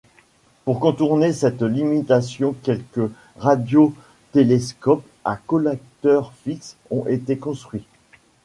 Pour contourner cette limitation, quelques radiotélescopes à collecteur fixe ont été construits.